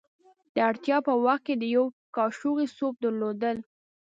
د اړتیا په وخت کې د یوې کاشوغې سوپ درلودل.